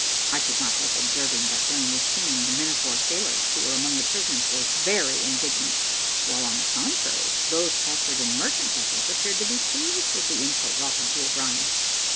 I could not help observing that, during this scene, the men of war sailors who were among the prisoners, were very indignant, while, on the contrary, those captured in merchant vessels appeared to be pleased with the insult offered to O'Brien.